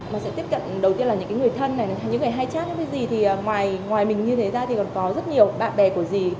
mà sẽ tiếp cận đầu tiên là những người thân này những người hay chat với dì thì ngoài mình như thế ra thì còn có rất nhiều bạn bè của dì